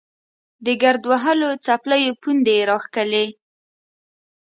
د ګرد وهلو څپلیو پوندې یې راښکلې.